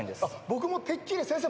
僕もてっきり先生